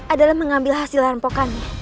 adalah mengambil hasil rempokannya